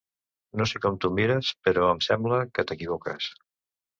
No sé com t'ho mires, però em sembla que t'equivoques.